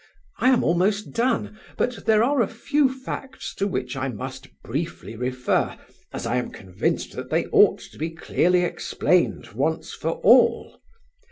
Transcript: I am almost done, but there are a few facts to which I must briefly refer, as I am convinced that they ought to be clearly explained once for all...."